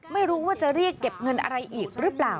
ไม่รู้ว่าจะเรียกเก็บเงินอะไรอีกหรือเปล่า